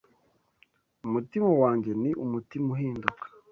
Umutima wanjye ni umutima uhinduka